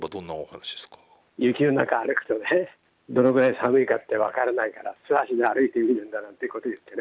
雪の中歩くとね、どのぐらい寒いかって分からないから、素足で歩いているんだみたいなこと言ってね。